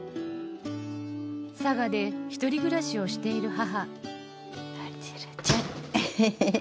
佐賀で１人暮らしをしている母。